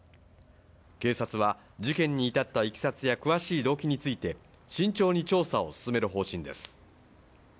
警察は事件に至ったいきさつや詳しい動機について慎重に調査を進める方針です